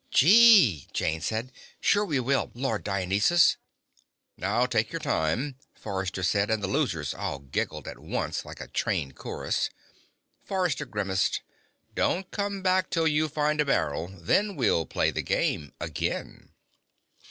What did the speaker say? "Gee," Jayne said. "Sure we will, Lord Dionysus." "Now take your time," Forrester said, and the losers all giggled at once, like a trained chorus. Forrester grimaced. "Don't come back till you find a barrel. Then we'll play the game again."